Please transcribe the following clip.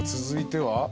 続いては。